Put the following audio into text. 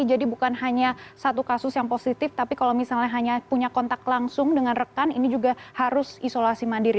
jadi bukan hanya satu kasus yang positif tapi kalau misalnya hanya punya kontak langsung dengan rekan ini juga harus isolasi mandiri